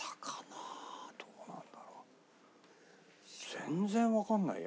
全然わかんないよ。